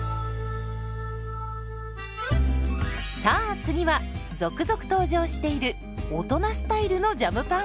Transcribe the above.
さあ次は続々登場している大人スタイルのジャムパン。